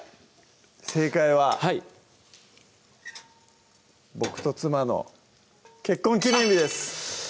正解ははい僕と妻の結婚記念日です！